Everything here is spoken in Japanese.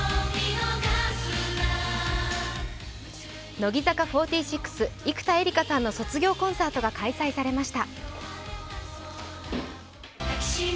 乃木坂４６・生田絵梨花さんの卒業コンサートが開催されました。